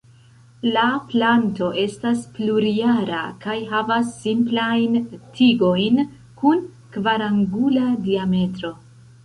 La planto estas plurjara kaj havas simplajn tigojn kun kvarangula diametro.